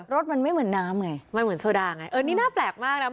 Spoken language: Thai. รถมันไม่เหมือนน้ำไงมันเหมือนโซดาไงเออนี่น่าแปลกมากนะ